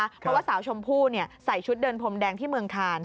เพราะว่าสาวชมพู่ใส่ชุดเดินพรมแดงที่เมืองคาน